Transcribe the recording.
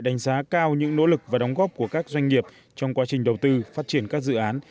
đánh giá cao những nỗ lực và đóng góp của các doanh nghiệp trong quá trình đầu tư phát triển các dự án